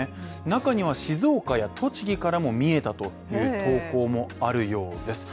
中には静岡や栃木からも見えたという投稿もあるようです。